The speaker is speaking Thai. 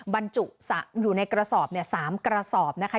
บรรจุอยู่ในกระสอบ๓กระสอบนะคะ